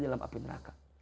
dalam api neraka